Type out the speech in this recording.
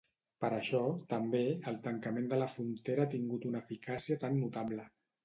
Per això, també, el tancament de la frontera ha tingut una eficàcia tan notable.